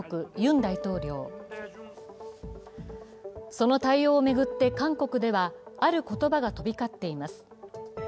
その対応を巡って韓国ではある言葉が飛び交っています。